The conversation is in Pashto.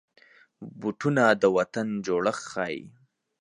بوټونه د وطن جوړښت ښيي.